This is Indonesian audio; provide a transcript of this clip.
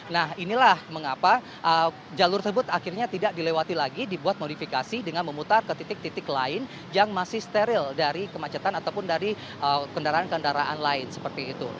nah inilah mengapa jalur tersebut akhirnya tidak dilewati lagi dibuat modifikasi dengan memutar ke titik titik lain yang masih steril dari kemacetan ataupun dari kendaraan kendaraan lain seperti itu